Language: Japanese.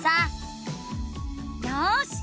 よし！